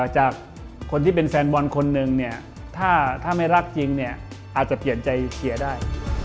จากคนที่เป็นแฟนบอลคนหนึ่งถ้าไม่รักจริงอาจจะเปลี่ยนใจเฉียได้